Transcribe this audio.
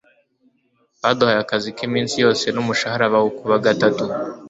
baduhaye akazi k'iminsi yose n'umushahara bawukuba gatatu.